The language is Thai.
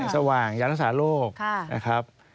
สวัสดีค่ะที่จอมฝันครับ